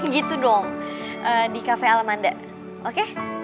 gitu dong di cafe alamanda oke